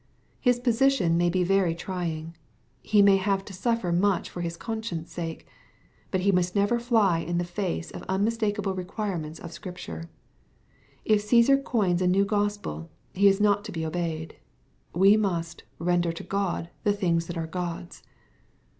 fHis position may be very trying.) ^e may have to suflfer much for his conscience sakcifBut he must never fly in the face of unmistakeable requirements of Scripture. Uf Csesar coins a new Grospel, he is not to be obeyed. We must " render to God the things that are God's."